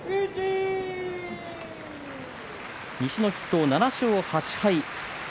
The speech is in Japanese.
西の筆頭、７勝８敗。